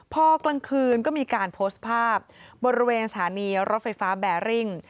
พอกลางคืนก็มีการโพสต์ภาพบริเวณสถานีรถไฟฟ้าแบริ่ง